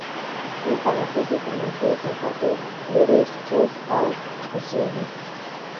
ټول تمرکز یې په منفي احساساتو، وېرې، سټرس او غوسې وي.